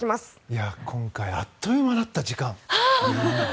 今回、あっという間だった時間。